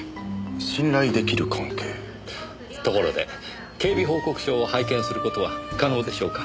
ところで警備報告書を拝見する事は可能でしょうか？